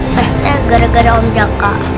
pastinya gara gara om jaka